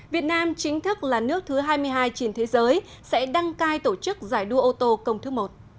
việt nam chính thức là nước thứ hai mươi hai trên thế giới sẽ đăng cai tổ chức giải đua ô tô công thứ một